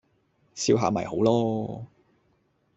笑下咪好囉